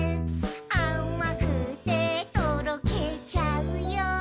「あまくてとろけちゃうよ」